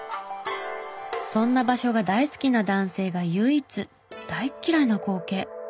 そんな場所が大好きな男性が唯一大っ嫌いな光景。